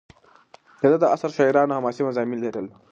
د ده د عصر شاعرانو حماسي مضامین لرل.